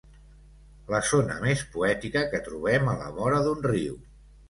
La zona més poètica que trobem a la vora d'un riu.